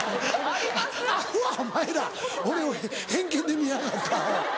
お前ら俺を偏見で見やがってアホ。